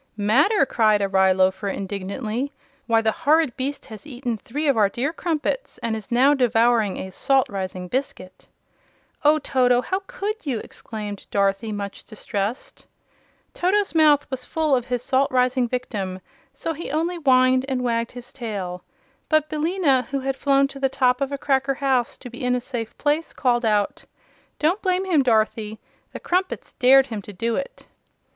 "Matter!" cried a rye loafer, indignantly, "why the horrid beast has eaten three of our dear Crumpets, and is now devouring a Salt rising Biscuit!" "Oh, Toto! How could you?" exclaimed Dorothy, much distressed. Toto's mouth was full of his salt rising victim; so he only whined and wagged his tail. But Billina, who had flown to the top of a cracker house to be in a safe place, called out: "Don't blame him, Dorothy; the Crumpets dared him to do it."